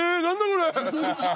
これ。